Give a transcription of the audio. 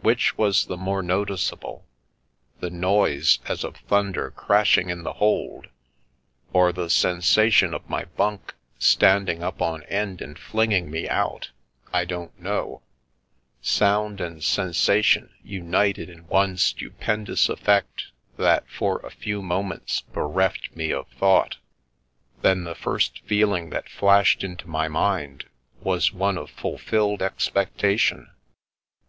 Which was the more noticeable — the noise as of thun der crashing in the hold, or the sensation of my bunk standing up on end and flinging me out — I don't know ; sound and sensation united in one stupendous effect that for a few moments bereft me of thought. Then the first The Milky Way feeling that flashed into my mind was one of fulfilled expectation.